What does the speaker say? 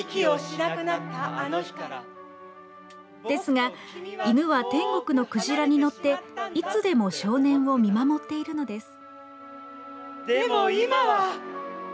ですが犬は天国のクジラに乗っていつでも少年を見守っているのです。